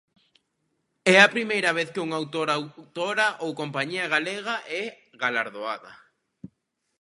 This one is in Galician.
É a primeira vez que un autor, autora ou compañía galega é galardoada.